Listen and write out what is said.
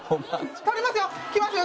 撮りますよ！